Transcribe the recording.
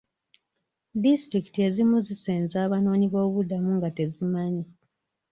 Disitulikiti ezimu zisenza abanoonyiboobubudamu nga tezimanyi.